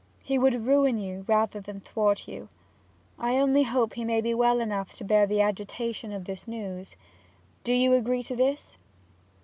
He would ruin you rather than thwart you. I only hope he may be well enough to bear the agitation of this news. Do you agree to this?'